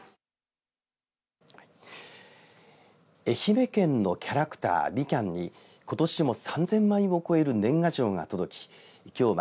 愛媛県のキャラクターみきゃんにことしも３０００枚を超える年賀状が届き